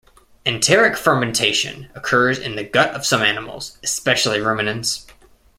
Enteric fermentation occurs in the gut of some animals, especially ruminants.